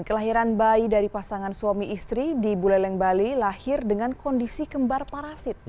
kelahiran bayi dari pasangan suami istri di buleleng bali lahir dengan kondisi kembar parasit